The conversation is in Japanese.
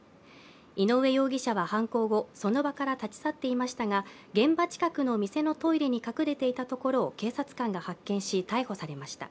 井上容疑者は犯行後、その場から立ち去っていましたが、現場近くの店のトイレに隠れていたところを警察官が発見し、逮捕されました。